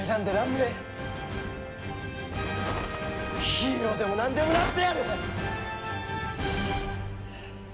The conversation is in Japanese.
ヒーローでもなんでもなってやる！